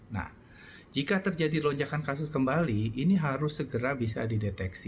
nah jika terjadi lonjakan kasus kembali ini harus segera bisa dideteksi